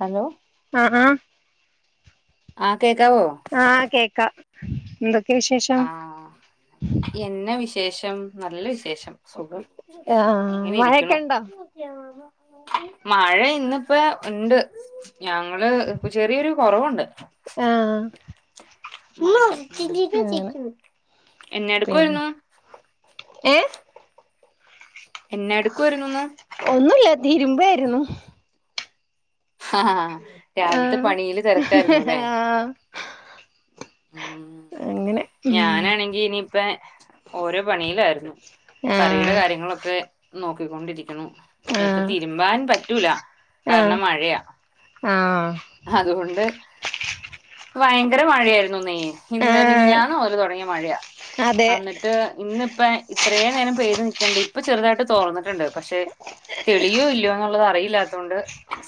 Hello ആഹ് ആഹ് ആഹ് കേക്കാവോ ആഹ് കേക്കാ എന്ത് ആഹ് എഞ വിശേഷം നല്ല വിശേഷം സുഖം ആഹ് മഴയൊക്കെണ്ടോ യാനൊർങ്ങാ മഴ ഇന്ന്പ്പ ഉണ്ട് ഞങ്ങള് ഇപ് ചെറിയൊരു കൊറവുണ്ട് ആഹ് എന്നെടുക്കുവായ്രുന്നു എഹ് എന്നേടുക്കുവായിരുന്നുന്ന് ഒന്നുല്ല തിരുമ്പേര്ന്നു. ഹാഹാ ആ രാവിൽത്തെ പണിയില് തെരക്കാര്ന്നുല്ലെ? ആ ഉം അങ്ങനെ ഉം ഞാനാണെങ്കി ഇനിപ്പെ ഓരോ പണിലായിര്ന്നു. ആ കറിയുടെ കാര്യങ്ങളൊക്കെ നോക്കിക്കൊണ്ടിരിക്ക്ണു. ആ ഇനിപ്പൊ തിര്മ്പാൻ പറ്റൂല. ആ കാരണം മഴയാ. ആ അതുകൊണ്ട് വയങ്കര മഴയാര്ന്നുന്നെ. ആ ഇന്നെ മിനിഞ്ഞാന്ന് മൊതല്,. തൊടങ്ങിയ മഴയാ. അതെ അന്നിട്ട് ഇന്ന് ഇപ്പെ ഇത്രേ നേരം പെയ് നിക്കിണ്ട് ഇപ്പൊ ചെറുതായിട്ട് തോർന്നിട്ട്ണ്ട് പഷെ. തെളിയോ ഇല്ല്യാന്നുള്ളത്. അറിയില്ലാത്തതോണ്ട്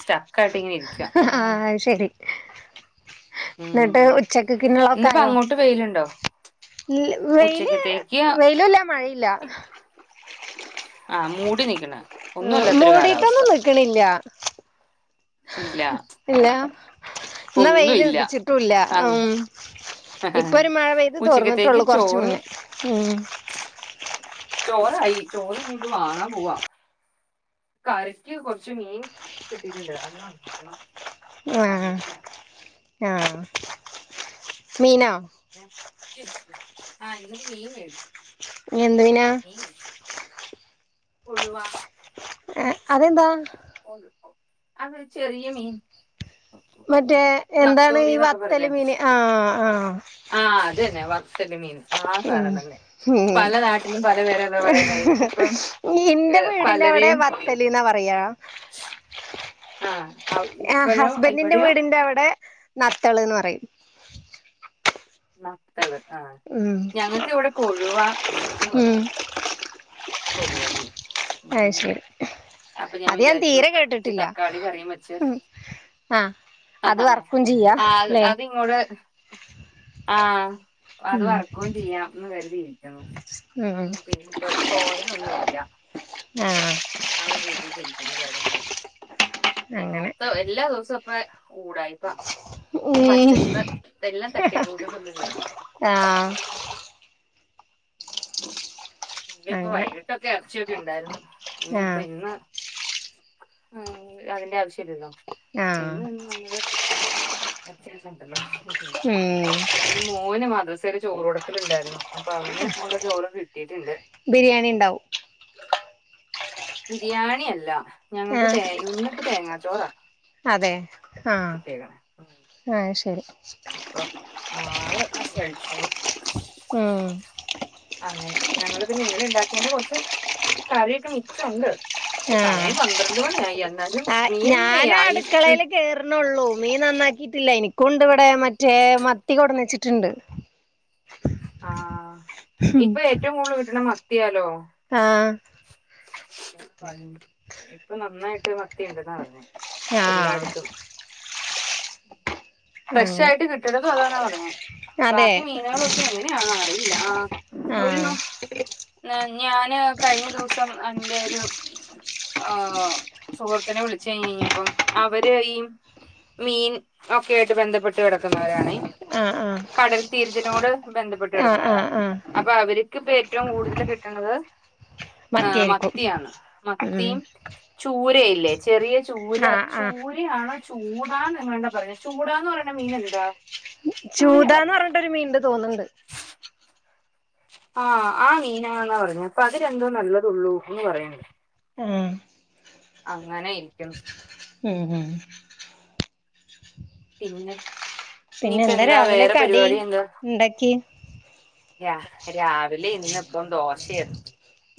സ്റ്റെക്കായിട്ട് ഇങ്ങനെ ഇരിക്കുവ. ആഹ് അയ് ശെരി ഇന്ന്ട്ട് ഉം ഉച്ചക്ക് ക്ക്ള്ളൊക്കെ ഇന്നിപ്പോ ആയോ? അങ്ങോട്ട് വെയിലുണ്ടോ വെ വെയില് ഉച്ചക്കത്തേക്ക് വെയ്ലില്ല മഴയില്ല. ആ മൂടി നീക്ക്ണ്. ഒന്നും അല്ലാത്തൊരു കാലാവസ്ഥ. ക്കളില്ല. ഇല്ല ഇല്ല ഇന്നാ വെയ്ല് ഒന്നുമില്ല ഉതിച്ചിട്ടു ഇല്ല അ ഉം. ഇപ്പൊ ഒരു മഴ പെയ്ത് ഉച്ചക്കത്തേക്ക് തോർന്നിട്ടൊള്ളു. കൊർച്ച് ചോറ് മുന്നേ ഉം. ചോറായി. ചോറ് [unintelligible] ങ്ങക് വാങ്ങാ പോവാ. കറിക്ക് കൊറ്ച്ച് മീൻ കിട്ടീട്ട്ണ്ട്. അത് നന്നാക്കണം. ആഹ് നന്നാക്കിയിട്ടില്ല ആഹ് മീനോ? ആഹ് ഇന്ന്പ്പം മീൻ മേടിച്ചു. എന്തീനാ? ഉഴുവാ ഏഹ് അതെന്താ? അത് ചെറിയ മീൻ. മറ്റേ എന്താണ് നത്തോലി ഈ വത്തല് മീന് ആഹ് ആഹ്. ആഹ് അതന്നെ. വത്തല് മീൻ ആ സാനം തന്നെ. ഉം പല നാട്ടിലും പല പേരല്ല പറയണേ എനിക്കിപ്പം ഉം ഏ, ഇന്റെ വീടിന്റ അവ്ടെ വ ത്തല്ന്നാ പറയാ. ആഹ് ആ ഹസ്ബൻ്റിന്റെ വീടിന്റെ അവ്ടെ നത്തേള്ന്ന് പറയും. നത്തേള്. ആഹ്. ഉം ഞങ്ങക്ക് ഇവ്ടെ കൊഴുവന്ന് പറിം. ഉം കൊഴുവമി ലെ അത് ശരി അപ്പൊ ഞാൻ അത് വിചാരിച്ചു തീരെ ഇച്ച് കേട്ടിട്ടില്ല തക്കാളി കറിയിം വെച്ച്. ആഹ് അത് അഹ് വറക്കും ചെയ്യാ ആഹ് ല്ലേ അതിങ്ങോട് ആഹ്. അത് ഉം വർക്കോം ചെയ്യാംന്ന് കരുതിയിരിക്കുന്നു. ഉം പിന്നിപ് തോരനൊന്നുല്ല. ആഹ് ആ ഒരു രീതിൽ ഇരിക്കുന്നു കാര്യങ്ങള്. എൻ്റെ അങ്ങനെ മൊത്തം എല്ലാ ദിവസപ്പ് ഉടായിപ്പാ. ഉം പറ്റ്ണ്ന്ന് എല്ലാ തട്ടിക്കൂട്ടുള്ളതയ് ആഹ് ഇന്നലിപ്പ അങ്ങനെ വൈകിട്ടൊക്കെ എറ് ച്യാെക്കെ ഇണ്ടായിരുന്നു. ഇനിയിപ്പ ആഹ് ഇന്ന് അഹ് അതിൻ്റെ ആവശ്യല്ലല്ലോ. ആഹ് എന്ന് നമ്മുടെ എറിച്ചിന്നെണ്ടല്ലോ. ഉം പിന്നെ മോന് മദ്‌റസയില് ചോറ് കൊട്ക്കലുണ്ടയിരുന്നു. അപ്പൊ അവന് ഒള്ള ചോറ് കിട്ടീയിട്ടുണ്ട്. ബിരിയേണിണ്ടാവും. ബിരിയാണിയല്ല. ഞങ്ങക്ക് ആഹ് തേ ഇന്നിപ്പ തേങ്ങാ ചോറാ. അതെ ആഹ് ആഹ് ശരി. അപ്പൊ ആള് ആഹ് ഫ്രണ്ട്സിനും. ഉം അങ്ങനെ ഞങ്ങള് പിന്നെ ഇന്നലെ ഇണ്ടാക്കിയേന്റെ കൊറച്ച് കറിയൊക്കെ മിച്ചം ഉണ്ട്. ആഹ് സമയം പന്ത്രണ്ട് മണിയായി എന്നാലും മീന് ഐസ് ഫ്രിഡ് എന്നുള്ളൂ മീൻ നന്നാക്കിയിട്ടില്ല അയിന് കൊണ്ടു ഇവിടെ മറ്റേ മത്തി കൊണ്ടുവന്നു വച്ചിട്ടുണ്ട്. ആഹ് ഇപ്പൊ ഏറ്റവും കൂടുതൽ കിട്ടണ മത്തിയാലോ? ആഹ് ഇപ്പൊ നന്നായിട്ട് മത്തിയുണ്ടെന്നാ പറഞ്ഞേ. ആഹ് എല്ലായിടത്തും ഫ്രഷ് അങ്ങനെ ആയിട്ട് കിട്ടണതും അതാണെന്ന് പറഞ്ഞേ. അതെ ബാക്കി മീനുകളൊക്കെ എങ്ങനെയാണോ അറിയില്ല ആഹ് ഒരു. ആഹ് ന്ന് ഞാന് കഴിഞ്ഞ ദിവസം അന്റെ ഒരു. ഓഹ് സുഹൃത്തിനെ വിളിച്ചു കഴി കഴിഞ്ഞപ്പോൾ അവര് ഈ. മീൻ ഒക്കെ ആയിട്ട് ബന്ധപ്പെട്ട കിടക്കുന്നവരാണ്. ആഹ് ആഹ്. കടൽ തീരത്തിനോട് ബന്ധപ്പെട്ട ആഹ് കിടക്കണവരാ, ആഹ് ആഹ് അപ്പൊ അവർക്ക് ഏറ്റവും കൂടുതൽ കിട്ടണത്. ആഹ് മത്തിയായിരിക്കും മത്തിയാണ് ഉം മത്തിയും. ചൂരയില്ലേ ചെറിയ ചൂര ആഹ് ആഹ് ചൂരയാണ്. ചൂട് എങ്ങാണ്ട് പറഞ്ഞേ, ചൂടാന്ന് പറയണ മീനെന്താ? ചൂതാന്ന് പറഞ്ഞിട്ടൊരു മീനിന്റെ തോന്നുണ്ട്. ആഹ് ആഹ് മീൻ ആണെന്ന് പറഞ്ഞേ, അപ്പം അത് രണ്ടും നല്ലതുള്ളൂന്ന് പറയുണ്ട്. ആഹ്. അങ്ങനെ ഇരിക്കുന്നു. ഉം പിന്നെ പിന്നെ ഇനിയിപ്പോ എന്താ രാവിലെ വേറെ കടി പരിപാടി എന്താ? ഇണ്ടാക്കി രാ രാവിലെ ഇന്നിപ്പം ദോശയാണ്.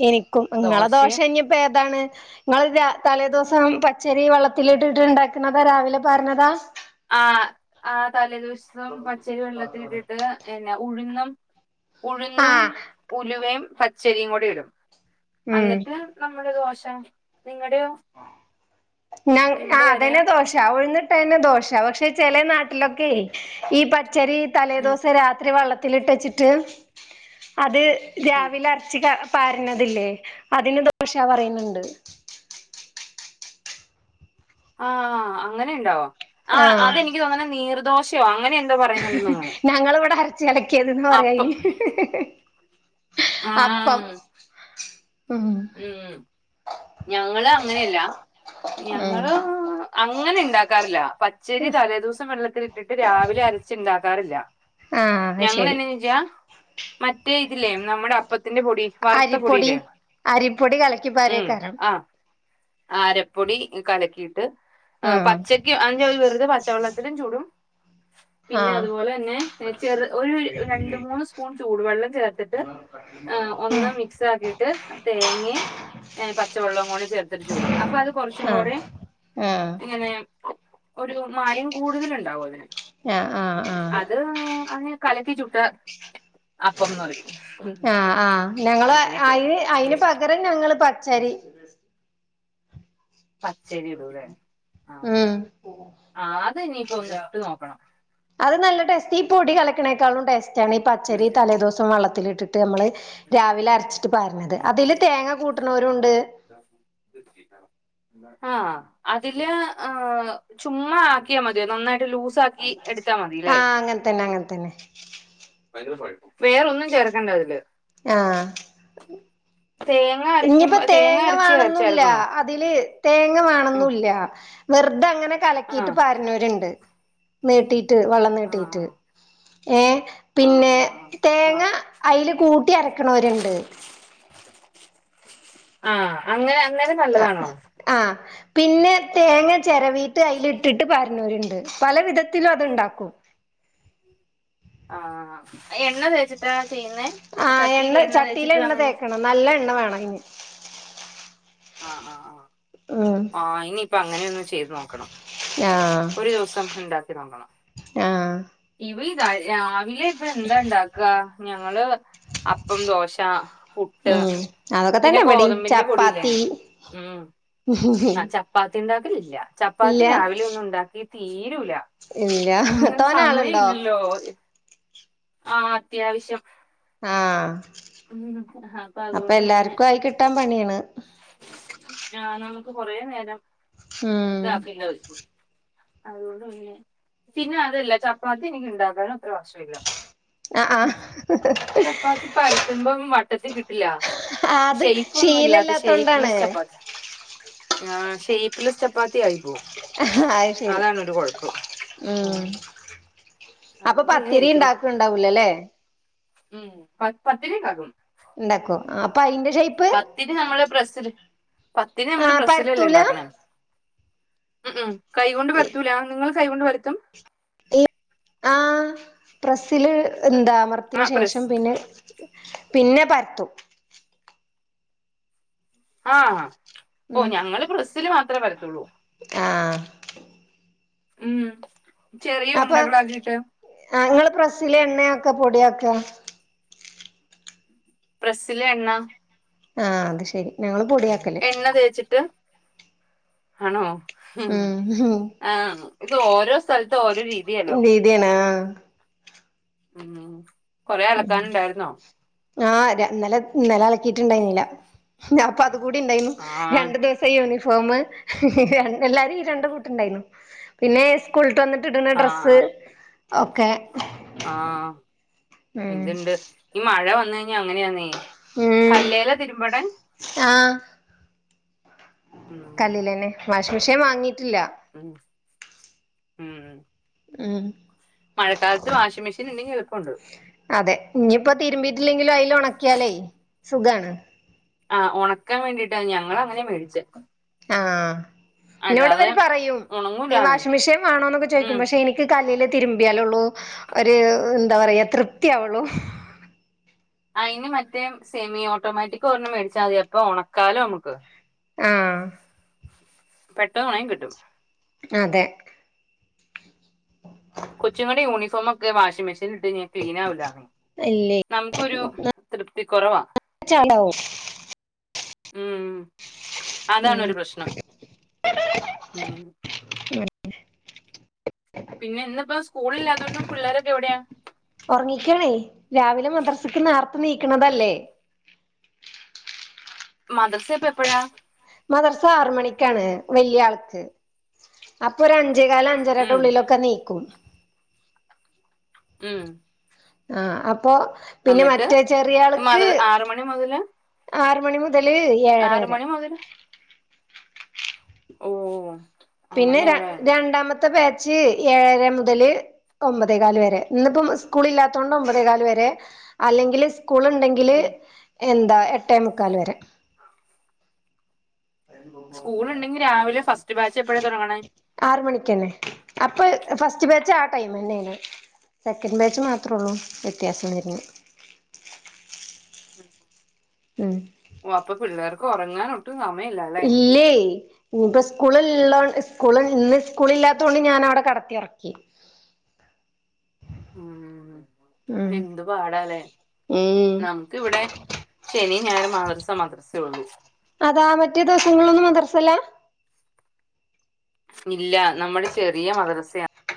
എനിക്കും ഇങ്ങളെ ദോശ ഇനിയിപ്പം ഏതാണ്. ഇങ്ങളെ ത തലേദിവസം പച്ചരി വെള്ളത്തിലിട്ടിട്ട് ഇണ്ടാക്കണത് രാവിലെ പരന്നതാ. ആഹ് ആഹ് തലേദിവസം പച്ചരി വെള്ളത്തിലിട്ടിട്ട് എന്നാ ഉഴുന്നും. ഉഴുന്നും ആഹ് ഉലുവയും പച്ചരിയും കൂടി ഇടും, ഉം അന്നിട്ട്. നമ്മുടെ ദോശ നിങ്ങടെയോ? ഞ ആഹ് നിങ്ങടെ പേരെയാ അതെന്നെ ദോശ ഉഴുന്നിട്ട് തന്നെ ദോശ പക്ഷെ ചെല നാട്ട ട്ടിലൊക്കെ ഈ പച്ചരി ഉം തലേദിവസം രാത്രി വെള്ളത്തിൽ. ത്തിൽ ഇട്ട് വെച്ചിട്ട് അത് ഉം രാവിലെ അരച്ച് ക പരന്നതില്ലേ അതിന് ദോശ പറയുന്നുണ്ട്. ആഹ് അങ്ങനെ ഉണ്ടോ, ആഹ് അത് എനിക്ക് തോന്നുന്നത് നീർദോശയോ അങ്ങനെ എ ഞങ്ങള് ഇവിടെ അരച്ച് കലക്കിയേതിന്ന് പറയും അയിന്. അപ്പം അപ്പം. ഉം ഉം ഞങ്ങള് അങ്ങനെയല്ല ഉം ഞങ്ങള്. അങ്ങനെ ഇണ്ടാക്കാറില്ല, പച്ചരി തലേദിവസം വെള്ളത്തിലിട്ടിട്ട് രാവിലെ അരച്ചിണ്ടാക്കാറില്ല. ആഹ് അത് ഞങ്ങള് ശരി എന്നാന്ന് വെച്ചാൽ മറ്റേ ഇതില്ലേ നമ്മുടെ അപ്പത്തിന്റെ പൊടി. വറുത്ത അരിപ്പൊടി പൊടിയില്ലേ അരിപ്പൊടി കലക്കിപ്പാരേക്കാരം. അരിപ്പൊടി കലക്കിട്ട് ആഹ് പച്ചക്ക് അയിന്റെ ഒരു വെറുതെ പച്ചവെള്ളം. ഇതിലും ചുടും. പിന്നെ ആഹ് അതുപോലെ തന്നെ ചെറു ഒരു രണ്ട് മൂന്ന് സ്പൂൺ ചൂടുവെള്ളം ചേർത്തിട്ട്. ഏഹ് ഒന്ന് മിക്സാക്കിട്ട് തേങ്ങേം പച്ചവെളളും കൂടി ചേർത്ത് ചുടും അപ്പൊ അത് ഉം കൊർച്ചുംകൂടെ ആഹ് ങ്ങനെ ഒരു മയം കൂടുതൽ ഇണ്ടാവൊലോ. ആഹ് ആഹ് ആഹ് ആഹ് അത് അങ്ങനെ കലക്കി ചുട്ട അപ്പംന്ന് പറയും. ആഹ് ആ ഞങ്ങള് അങ്ങനെയൊക്കെ അയ്ന് അയ്ന് പകരം ഞങ്ങള് പച്ചരി പച്ചരിടുലെ ആഹ് ഉം അത് ഇനിപ്പോ ചുട്ട് നോക്കണം. അത് നല്ല ടേസ്റ്റ് ഈ പൊടി കലക്കിണേക്കാളും ടേസ്റ്റ് ആണ് ഈ പച്ചരി തലേദിവസം വള്ളത്തിലിട്ടിട്ട് അമ്മള് രാവിലെ അര്ച്ചിട്ട് പാര്ണത് അതില് തേങ്ങ കൂട്ടുണോരും ഉണ്ട് ആഹ് അതില് ആഹ് ചുമ്മാ ആ ക്യാമതിയോ നന്നായ്ട്ട് ലൂസാക്കി എട്ത്താ മതിലെ? അങ്ങൻത്തന്നെ അങ്ങൻത്തന്നെ. വേറൊന്നും ചേർക്കണ്ടതില്. ആഹ്. തേ ഇഞ്ഞിപ്പൊ തേങ്ങ വേണന്നുല്ല അതില് തേങ്ങ ഉം. വേണന്നുല്ല. വേർതെ അങ്ങനെ ആ കലക്കിട്ട് പാര്ന്നോര്ണ്ട് നീട്ടീട്ട് വള്ളം ആ നീടീട്ട്. ഏഹ് ആ പിന്നെ ആ ആ തേങ്ങ അയ്ല് കൂട്ടി അരക്ക്ണോര്ണ്ട്. ആഹ് അങ്ങനെ അന്നേരം നല്ലതാണോ? ആഹ്. പിന്നെ തേങ്ങ ചെരവീട്ട് അയ്ല് ഇട് ട്ട് പാര്ണോര്ണ്ട് പല വിധത്തിലും അത് ഇണ്ടാക്കും. ഉം. [inaudible] ആഹ് അത് എണ്ണ തേച്ചിട്ടാ ചെയ്യ്ന്നേ? ചട്ടീല് എണ്ണ തേച്ച്ട്ട് അങ്ങനെ. ആഹ്‌ നല്ല എണ്ണ വേണം അയ്ന്. ആഹ് ആഹ് ഉം ആ ആ ഇനിപ്പൊ അങ്ങനൊന്ന് ചെയ്ത് നോക്കണം. ആഹ്. ഒരു ദിവസം ഇണ്ടാക്കി നോക്കണം. ഇവ രാവിലെ ഇപ്പൊ എന്താ ഇണ്ടാക്കാ ഞങ്ങള് അപ്പം, ദോശ, പുട്ട്, ഉം അതൊക്കെ പിന്നെ തന്നെ ഇവിടേം ഗോതമ്പിന്റെ പൊടില്ലേ? ചപ്പാത്തി ഉം ആ ചപ്പാത്തി ഇണ്ടാക്കലില്ല ചപ്പാത്തി ഇല്ല രാവിലെ ഒന്നും ഇണ്ടാക്കി തീരൂല. ഇല്ല ആഹ് തോനെ ആളുണ്ടോ സമയല്ലല്ലോ ആ അത്യാവശ്യം. ആഹ് അപ്പൊ എല്ലാർക്കും ആയി കിട്ടാൻ പണ്യാ ണ്. ആ നമുക്ക് കൊറേ നേരം ഉം ഇതാക്കിങ്ങനെ വെക്കും. അതുകൊണ്ട് പിന്നെ പിന്നെ അതല്ല ചപ്പാത്തി എനിക്ക് ഇണ്ടാക്കാനും അത്ര വശമില്ല. ഉം ആഹ് ചപ്പാത്തി പരത്ത്മ്പോ വട്ടത്തി കിട്ടില്ല. ആഹ് അത് ഷെയ്പ് ഒന്നുല്ലാതെ ശീലല്ലാത്തോണ്ടാണ് ഷേ്പ്പ്ലസ് ചപ്പാത്തി ആ ഷേ്പ്പ്ലസ് ചപ്പാത്തി ആയിപ്പോവും. അഹ് ശരി ഉം. അപ്പൊ അതുകൊണ്ട് ഇങ്ങനെ പത്തിരി ഇണ്ടാക്ക്ണ്ടാവൂലല്ലേ? ഉം പത്തിരി ഇണ്ടാക്കും. ഇണ്ടാക്കോ അപ്പൊ അയ്ന്റെ ഷേപ്പ് പത്തിരി നമ്മള് പ്രസ്സ്ല് പത്തിരി നമ്മള് ആഹ് പ്രസ്സിലല്ലേ പരത്തൂല ഇണ്ടാക്ക്ണെ? ഉം ഉം കൈകൊണ്ട് പര്ത്തൂല നിങ്ങൾ കൈകൊണ്ട് പര്ത്തും. ഈ ആഹ് പ്രസ്സില് എന്താ ആ അമർത്ത്യേന് പ്രസ് ശേഷം പിന്നെ പിന്നെ പരത്തും ആഹ് ഓഹ് ഉം ഞങ്ങള് പ്രസ്സില് മാത്രേ പരത്തുള്ളൂ ആഹ് ഉം ചെറിയ അപ്പൊ ഉണ്ടകളാക്കിട്ട് ആഹ് ഇങ്ങള് പ്രസ്സില് എണ്ണെ ആക്ക പൊടിയ ആക്കാ പ്രസ്സ്ല് എണ്ണ ആഹ് അത് ശെരി ഞങ്ങള് പൊടിയാക്കല് എണ്ണ തേച്ചിട്ട് ആണോ ഉം ഉം ആഹ് ഉം ഇത് ഓരോ സ്ഥലത്ത് ഓരോ രീതിയാല്ലോ തിയാണ് ആഹ് ഉം കൊറേ അലക്കാന് ഇണ്ടായിര്ന്നോ ആഹ് ര ഇന്നലെ ഇന്നലെ അലക്കിട്ട്ണ്ടായ്ന്നില്ല ഇഞ് അപ്പ അതും കൂടി ഇണ്ടായ്നു ആ രണ്ടു ദിവസ് ത്തെ യൂണിഫോമ് എല്ലാരിം ഈ രണ്ട് കൂട്ട് ഇണ്ടായ്ന്നു പിന്നെ സ്കൂള്ട്ട് വന്ന്ട്ട് ഇട്ണ ആ ഡ്രസ്സ് ഒക്കെ ആഹ് ആഹ് ഉം ഇത്ണ്ട് ഈ മഴ വന്ന് കഴിഞ്ഞാഅങ്ങനെയാന്നേ ഉം കല്ലേലാ തിര്മ്പ്ണ് ആഹ് ഉം കല്ല്ലെന്നെ വാഷിംഗ് മെഷീൻ വാങ്ങിയിട്ടില്ല ഉം ഉം ഉം മഴക്കാലത്ത് വാഷിംഗ് മെീൻ ഇണ്ടെങ്കി എള്പ്പം ഇണ്ട് അതെ ഇഞ്പ്പൊ തിര്മ്പിയിറ്റില്ലെങ്കിലും അയ്ല് ഒണക്കിയാലെയ് സുഖാണ് ആഹ് ഒണക്കാൻ വേണ്ടിയിട്ടാ ഞങ്ങള അങ്ങനെ വേടിച്ചെ ആഹ് ഇന്നോട് വെര് പറയും ഉണങ്ങൂലാന്നേ വാഷിംഗ് മെഷീൻ വേണോന്നൊക്കെ ചോയ്ക്കും ഉം പക്ഷെ ഇനി ക്ക് കല്ലില് തിരുമ്പിയാലൊള്ളൂ ഒരു എന്താ പറയാ തൃപ്തിയാവൊള്ളൂ അയ്ന് മറ്റേ സെമി ഓട്ടോമാറ്റിക് ഒരെണ്ണം മേടിച്ചാമതി അപ്പൊ ഒണക്കാലോ നമുക്ക് ആഹ് പെട്ടെന്ന് ഒണങ്ങി കിട്ടും അതെ കൊച്ചുങ്ങളുടെ യൂണിഫോമൊക്കെ വാഷിങ്മെഷീൻല് ഇട്ട്കയിഞ്ഞാ ക്ലീനാവുലാന്നെ ഇല്ലേ നമുക്കൊരു തൃപ്തി കൊറവാ ചാടാവും ഉം ഉം അതാണൊരു പ്രശ്നം ഉം അഹ് അയ്‌ന് വെർതെ പിന്നെ ഇന്ന്പ്പ സ്കൂളില്ലാ അതോണ്ടും പിള്ളേരൊക്കെ എവിടെയാ ഒറങ്ങിക്കാണെയ് രാവിലെ മദ്രസ്ക്ക്‌ ന്നാർത്തെ നീക്ക്ണതല്ലേ മദർസ് എപ്പെ എപ്പഴാ മദർസ് ആറ് മണിക്കാണ് വെല്ല്യെ ആൾക്ക് അപ്പൊ ഒര് അഞ്ചേക്കാല് അഞ്ച ഞ്ചരെടെ ഉം ഉള്ളിലൊക്കെ നീക്കും ഉം ആഹ് അപ്പൊ പിന്നെ എന്നിട്ട് മറ്റേ ചെറിയ ആള്ക്ക് മദ്ര ആറ് മണി മുതല് ആറ് മണി മുതല് ഏഴെര ആറ് വെരെ മണി മുതല് ഓഹ് ഓഹ് വോ പിന്നെ ര രണ്ടാമത്തെ ബാച്ച് ഏഴര മുതല് ഒമ്പതേകാല് വരെ ഇന്നിപ്പം സ്കൂള് ഇല്ലാത്തോണ്ട് ഒമ്പതേകാല് വരെ അല്ലെങ്കിൽ സ്കൂൾ ഇണ്ടെങ്കി ങ്കില് എന്താ എട്ടേമുക്കാല് വെരെ സ്കൂള്ണ്ടെങ്കില് രാവിലെ ഫസ്റ്റ് ബാച്ചെപ്പഴാ തൊടങ്ങണെ ആറ് മണിക്കെന്നെ അപ്പൊ ഫസ്റ്റ് ബാച്ച് ആ ടൈമെന്നെണ് സെക്കൻഡ് ബാച്ച് മാത്രൊള്ളു വ്യത്യാസം വെര്ണെ [unintelligible] [unintelligible] ഓ അപ്പൊ പിള്ളേർക്ക് ഒറങ്ങാനും ഒട്ടും സമയല്ല ഇല്ലേ ഇന്ന്പ്പൊ സ്കൂള് ള്ളോ സ്കൂള് ഇന്ന് സ്കൂള്ല്ലാത്തോണ്ട് ഞാനവടെ കടത്തി ഒറക്കി ഉം ഉം എന്ത് പാടാലേ ഉം നമു ക്ക് വടെ ശെനി ഞായറ് മദ്രസ മദ്രസ ഒള്ളു അതാ മറ്റേ ദിവസങ്ങൾലൊന്നും മദർസില്ലാ ഇല്ല നമ്മുടെ ചെറിയ മദർസയാ